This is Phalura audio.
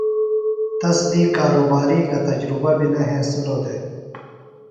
تس دی کارُباری گہ تجرُبہ بیۡ نہ ہنسِلوۡ دےۡ۔